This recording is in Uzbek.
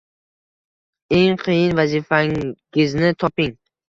Eng qiyin vazifangizni toping